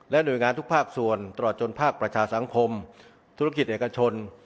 หน่วยงานทุกภาคส่วนตลอดจนภาคประชาสังคมธุรกิจเอกชน